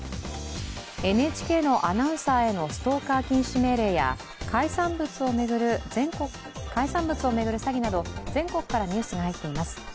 ＮＨＫのアナウンサーによるものや海産物を巡る詐欺など全国からニュースが入っています。